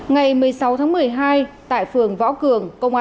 ngày một mươi sáu tháng một mươi hai tại phường võ cường